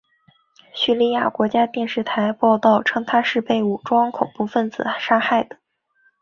叙利亚国家电视台报道称他是被武装恐怖分子杀害的。